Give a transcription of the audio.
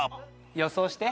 予想して。